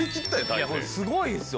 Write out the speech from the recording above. すごいですよ